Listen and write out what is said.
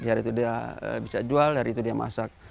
hari itu dia bisa jual hari itu dia masak